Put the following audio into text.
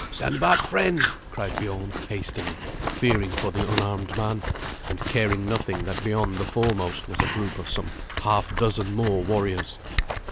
"Stand back, friend," cried Biorn hastily, fearing for the unarmed man, and caring nothing that beyond the foremost was a group of some half dozen more warriors.